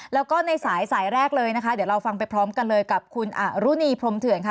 แล้วก็ในสายสายแรกเลยนะคะเดี๋ยวเราฟังไปพร้อมกันเลยกับคุณอรุณีพรมเถื่อนค่ะ